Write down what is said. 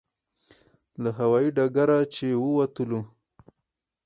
له هوایي ډګره چې ووتلو.